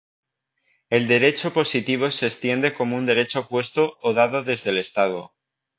El derecho positivo se entiende como un derecho puesto o dado desde el Estado.